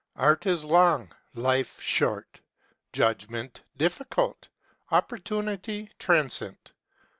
Art is long, life short, judgment difficult, opportunity transient.